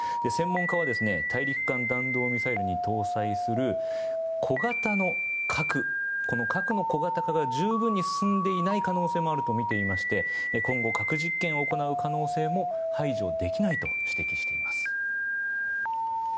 専門家は大陸間弾道ミサイルに搭載する小型の核核の小型化が十分に進んでいない可能性もあるとみていまして今後、核実験を行う可能性も排除できないと指摘しています。